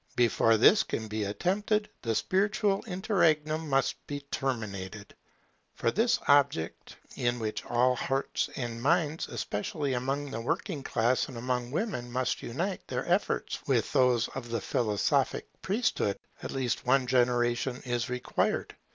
Before this can be attempted, the spiritual interregnum must be terminated. For this object, in which all hearts and minds, especially among the working classes and among women, must unite their efforts with those of the philosophic priesthood, at least one generation is required.